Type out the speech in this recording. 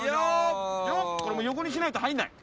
これ横にしないと入んない。